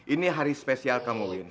ini hari spesial kamu win